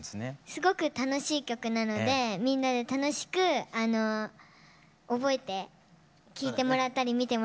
すごく楽しい曲なのでみんなで楽しく覚えて聴いてもらったり見てもらったりしたらうれしいです。